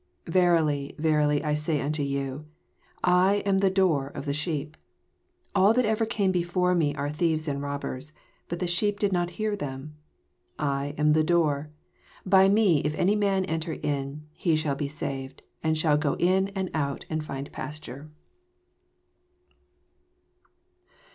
Verily, verily, I say onto yoo, I am the door of the sheep. 8 All that ever came before me are thieves and robbers: bat the sheep did not hear them. 9 I am the door: by me if any man enter in, he shall be saved, and shall go in and out, and find pasture.